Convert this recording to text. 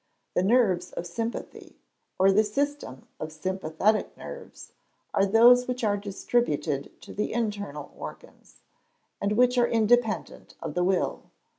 _ The nerves of sympathy, or the system of sympathetic nerves, are those which are distributed to the internal organs, and which are independent of the will.